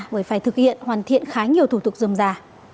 với phải thực hiện hoàn thiện khá nhiều thủ tục dùm giả